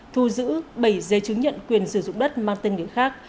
thu giữ bảy giấy chứng nhận quyền sử dụng đất mang tên người khác